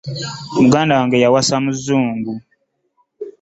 Muganda wange wayasa muzungu.